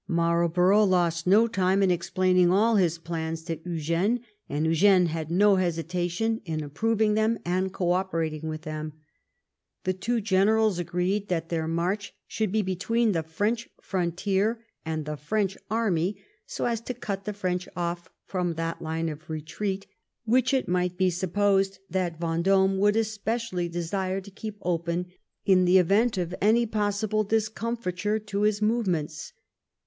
Marlborough lost no time in explaining all his plans to Eugene, and Eugene had no hesitation in approving them and co operating with them. The two generals agreed that their march should be between the French frontier and the Erench army, so as to cut the Erench oflF from that line of re treat which it might be supposed that Vendome would especially desire to keep open in the event of any posr sible discomfiture to his movements.